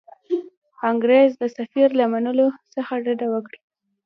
انګرېز د سفیر له منلو څخه ډډه وکړي.